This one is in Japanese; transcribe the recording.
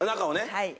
はい。